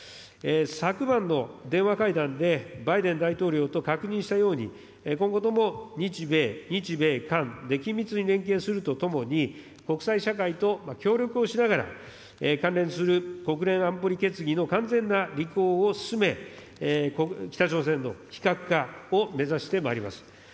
昨晩の電話会談で、バイデン大統領と確認したように、今後とも日米、日米韓で緊密に連携するとともに、国際社会と協力をしながら、関連する国連安保理決議の完全な履行を進め、北朝鮮の非核化を目指してまいります。